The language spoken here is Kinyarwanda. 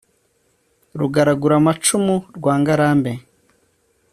Rugaraguramacumu rwa Ngarambe